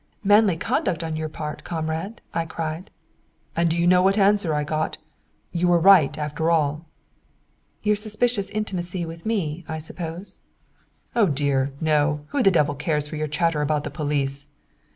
'" "Manly conduct on your part, comrade," I cried. "And do you know what answer I got? You were quite right, after all." "Your suspicious intimacy with me, I suppose?" "Oh dear, no! Who the devil cares for your chatter about the police?